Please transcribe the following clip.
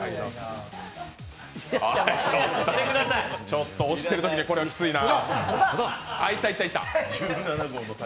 ちょっと押してるときにこれはキツいな。